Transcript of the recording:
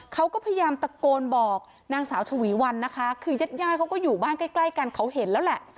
เขาก็พยายามตะโกนบอกนางสาวชวีวันนะคะคือญาติญาติเขาก็อยู่บ้านใกล้ใกล้กันเขาเห็นแล้วแหละ